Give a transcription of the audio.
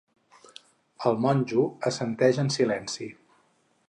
El monjo assenteix en silenci.